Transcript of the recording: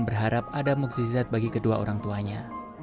berharap ada mukzizat bagi kedua orang tuanya